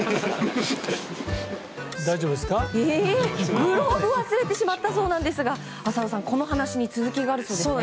グローブを忘れてしまったそうなんですが浅尾さん、この話に続きがあるそうですね。